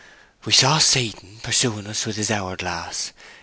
"We saw Satan pursuing us with his hour glass.